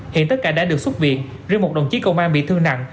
hiện tất cả đã được xuất viện riêng một đồng chí công an bị thương nặng